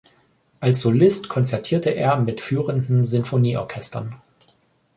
Als Solist konzertierte er mit führenden Sinfonieorchestern.